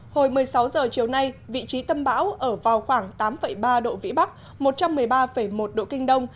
hồi một mươi sáu h chiều nay vị trí tâm bão ở vào khoảng tám ba độ vĩ bắc một trăm một mươi ba một độ kinh đông